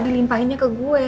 dilimpahinnya ke gue